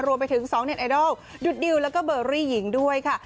รวมไปถึง๒เน็ตไอดอลดุดดิวแล้วก็เบอรี่หญิงด้วยค่ะ